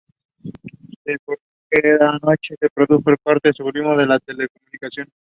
Se informó que en esa noche se produjo un corte súbito en las telecomunicaciones.